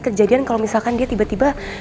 kejadian kalau misalkan dia tiba tiba